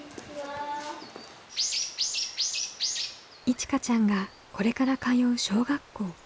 いちかちゃんがこれから通う小学校。